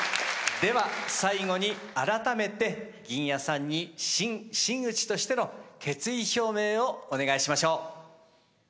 では最後に改めて銀冶さんに新真打としての決意表明をお願いしましょう。